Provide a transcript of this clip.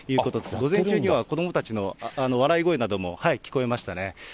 午前中には子どもたちの笑い声なども聞こえましたね。